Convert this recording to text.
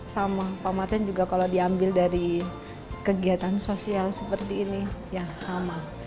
sama pak martin juga kalau diambil dari kegiatan sosial seperti ini ya sama